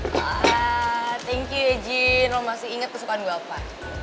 wah thank you ya jin lo masih inget kesukaan gue apa